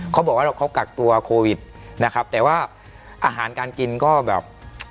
เขาบอกว่าเขากักตัวโควิดนะครับแต่ว่าอาหารการกินก็แบบ